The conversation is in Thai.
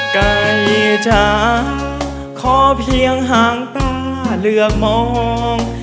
ไก่จ๋าขอเพียงหางตาเลือกมอง